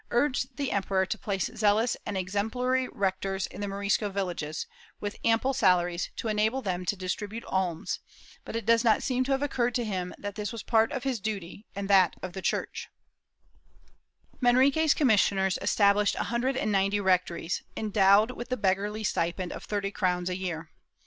U] VALENCIA 367 emperor to place zealous and exemplary rectors in the Morisco villages, with ample salaries to enable them to distribute alms, but it does not seem to have occurred to him that this was part of his duty and that of the Church/ Manrique's commissioners estabhshed a hundred and ninety rectories, endowed with the beggarly stipend of thirty crowns a year.